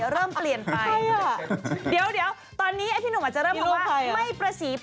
เริ่มเปลี่ยนไป